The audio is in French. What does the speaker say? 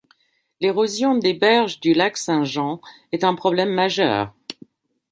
L'érosion des berges du lac Saint-Jean est un problème majeur.